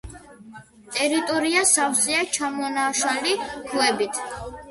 ტერიტორია სავსეა ჩამონაშალი ქვებით.